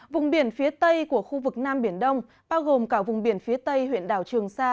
vùng biển phía tây của khu vực nam biển đông bao gồm cả vùng biển phía tây huyện đảo trường sa